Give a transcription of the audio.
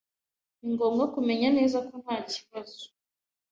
Ningomba kumenya neza ko ntakibazo.